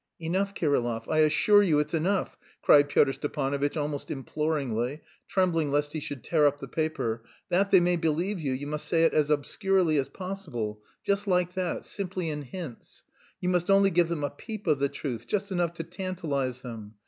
"Enough, Kirillov, I assure you it's enough," cried Pyotr Stepanovitch almost imploringly, trembling lest he should tear up the paper; "that they may believe you, you must say it as obscurely as possible, just like that, simply in hints. You must only give them a peep of the truth, just enough to tantalise them.